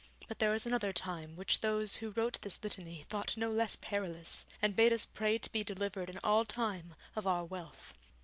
But there is another time which those who wrote this Litany thought no less perilous, and bade us pray to be delivered in all time of our wealth.